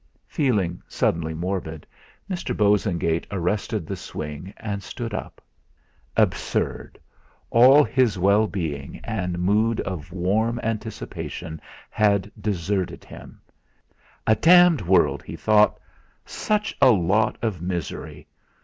Feeling suddenly morbid, Mr. Bosengate arrested the swing and stood up. Absurd! all his well being and mood of warm anticipation had deserted him! 'A d d world!' he thought. 'Such a lot of misery!